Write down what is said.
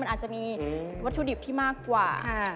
มันอาจจะมีวัตถุดิบที่มากกว่า